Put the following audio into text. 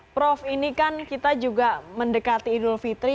prof ini kan kita juga mendekati idul fitri